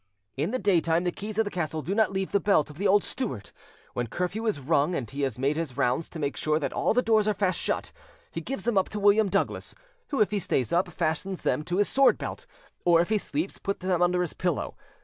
"In the daytime the keys of the castle do not leave the belt of the old steward; when curfew is rung and he has made his rounds to make sure that all the doors are fast shut, he gives them up to William Douglas, who, if he stays up, fastens them to his sword belt, or, if he sleeps, puts them under his pillow.